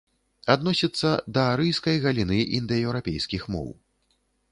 Адносіцца да арыйскай галіны індаеўрапейскіх моў.